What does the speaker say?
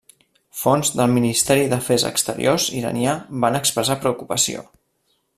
Fonts del ministeri d'Afers Exteriors iranià van expressar preocupació.